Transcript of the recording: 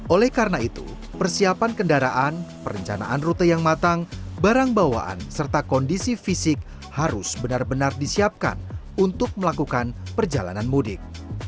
oleh karena itu persiapan kendaraan perencanaan rute yang matang barang bawaan serta kondisi fisik harus benar benar disiapkan untuk melakukan perjalanan mudik